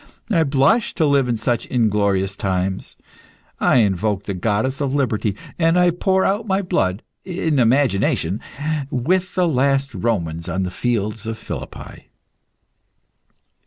I blush to live in such inglorious times; I invoke the goddess of Liberty; and I pour out my blood in imagination with the last Romans on the field of Philippi.